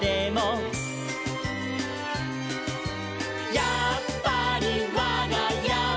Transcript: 「やっぱりわがやは」